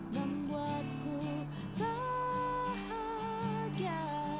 sampai jumpa lagi